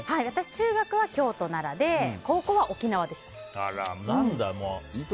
中学は京都、奈良で高校は沖縄でした。